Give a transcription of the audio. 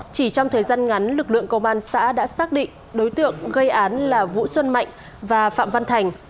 chỉ trong thời gian ngắn lực lượng công an xã đã xác định đối tượng gây án là vũ xuân mạnh và phạm văn thành